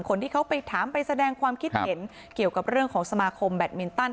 คนที่เขาไปถามไปแสดงความคิดเห็นเกี่ยวกับเรื่องของสมาคมแบตมินตัน